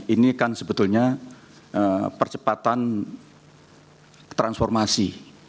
ini kan sebetulnya percepatan transformasi